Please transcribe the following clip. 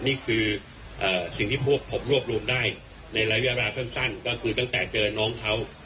นี่คือสิ่งที่พวกผมรวบรวมได้ในระยะเวลาสั้นก็คือตั้งแต่เจอน้องเขา